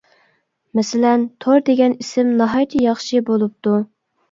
مەسىلەن، «تور» دېگەن ئىسىم ناھايىتى ياخشى بولۇپتۇ.